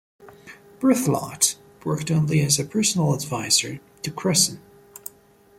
Berthelot worked only as a personal advisor to Cresson.